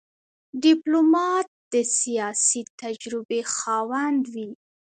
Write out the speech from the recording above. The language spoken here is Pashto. ډيپلومات د سیاسي تجربې خاوند وي.